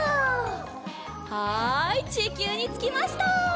はいちきゅうにつきました！